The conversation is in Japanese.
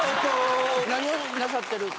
何をなさってる方？